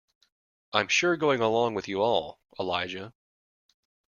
I'm sure going along with you all, Elijah.